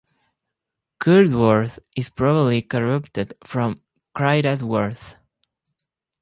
Curdworth is probably corrupted from Crida's Worth.